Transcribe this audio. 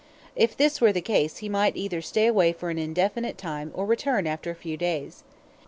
If this were the case he might either stay away for an indefinite time or return after a few days.